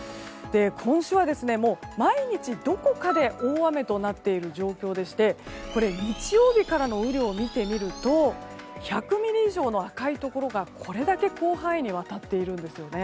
今週は、毎日どこかで大雨となっている状況でしてこれ、日曜からの雨量を見てみると１００ミリ以上の赤いところがこれだけ広範囲にわたっているんです。